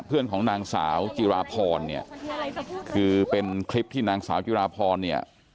เพื่อนของนางสาวกีฬาพรคือแบบนางสาวกีฬาพรนะ